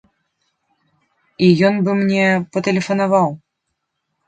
І ён бы мне патэлефанаваў.